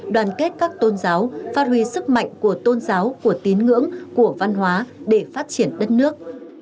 đoàn kết các tôn giáo phát huy sức mạnh của tôn giáo của tín ngưỡng của văn hóa để phát triển đất nước